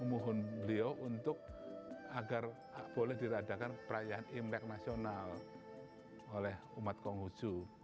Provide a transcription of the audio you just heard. mohon beliau untuk agar boleh diradakan perayaan imlek nasional oleh umat konghucu